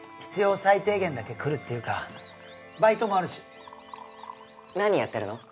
最低限だけ来るっていうかバイトもあるし何やってるの？